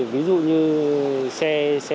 ví dụ như xe